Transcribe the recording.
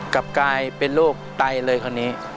กลับกลายเป็นโรคไตเลยคราวนี้